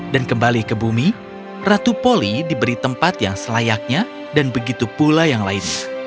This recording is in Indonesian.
dan kembali ke bumi ratu polly diberi tempat yang selayaknya dan begitu pula yang lainnya